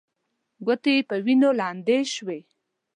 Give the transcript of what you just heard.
ګوتې يې په وينو لندې شوې.